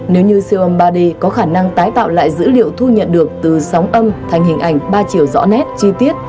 nếu như siêu âm ba d có khả năng tái tạo lại dữ liệu thu nhận được từ sóng âm thành hình ảnh ba chiều rõ nét chi tiết